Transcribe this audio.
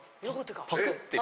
パクってる。